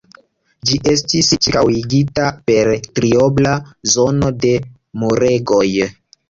Ĝi estis ĉirkaŭigita per triobla zono de muregoj.